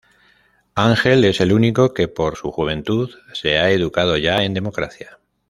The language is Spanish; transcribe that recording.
Ángel es el único que, por su juventud, se ha educado ya en democracia.